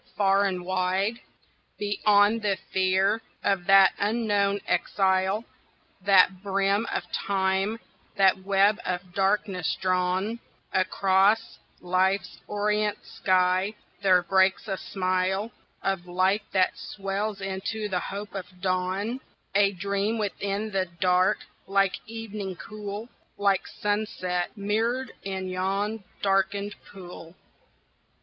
Far and wide, Beyond the fear of that unknown exile, That brim of Time, that web of darkness drawn Across Life's orient sky, there breaks a smile Of light that swells into the hope of dawn : A dream within the dark, like evening cool, Like sunset mirror'd in yon darken'd pool.